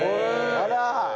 あら！